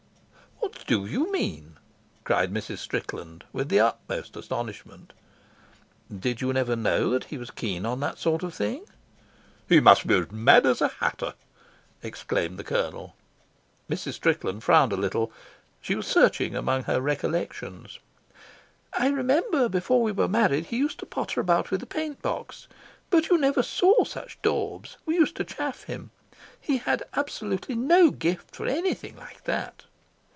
"What do you mean?" cried Mrs. Strickland, with the utmost astonishment. "Did you never know that he was keen on that sort of thing." "He must be as mad as a hatter," exclaimed the Colonel. Mrs. Strickland frowned a little. She was searching among her recollections. "I remember before we were married he used to potter about with a paint box. But you never saw such daubs. We used to chaff him. He had absolutely no gift for anything like that."